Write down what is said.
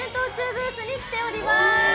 ブースに来ております。